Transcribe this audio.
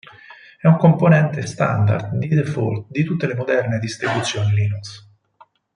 È un componente standard di default di tutte le moderne distribuzioni Linux.